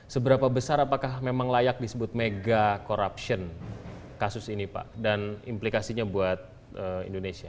seberapa besar apakah memang layak disebut mega corruption kasus ini pak dan implikasinya buat indonesia